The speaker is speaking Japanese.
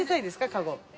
かご。